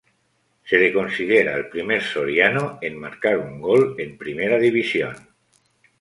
Se le considera el primer soriano en marcar un gol en primera división.